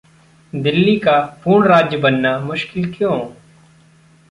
दिल्ली का पूर्णराज्य बनना मुश्किल क्यों?